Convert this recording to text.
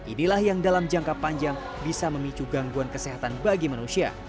inilah yang dalam jangka panjang bisa memicu gangguan kesehatan bagi manusia